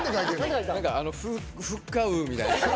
「ふっかぅ」みたいな。